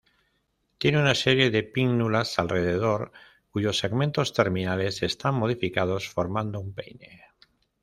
Tiene una serie de pínnulas alrededor, cuyos segmentos terminales están modificados formando un peine.